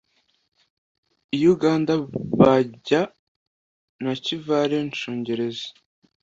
i uganda bajya nakivale, nshungerezi